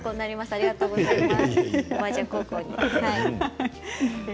ありがとうございます。